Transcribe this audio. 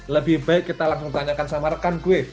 lebih baik kita langsung tanyakan sama rekan gue